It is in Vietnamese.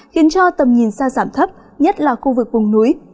khiến cho tầm nhìn xa giảm thấp nhất là khu vực vùng núi